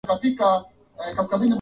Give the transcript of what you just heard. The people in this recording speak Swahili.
Dhibiti mbu